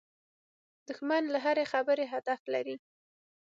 دښمن له هرې خبرې هدف لري